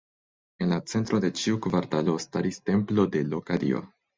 En la centro de ĉiu kvartalo staris templo de loka dio.